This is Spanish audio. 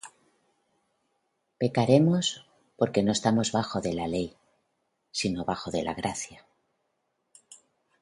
¿Pecaremos, porque no estamos bajo de la ley, sino bajo de la gracia?